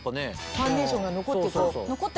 ファンデーションが残って。